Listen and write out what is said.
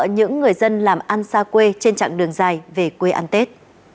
những người dân làm ăn xa quê trên chặng đường dài về quê ăn tết